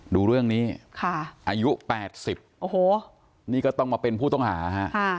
ดูเรื่องนี้ค่ะอายุแปดสิบโอ้โหนี่ก็ต้องมาเป็นผู้ต้องหาฮะค่ะ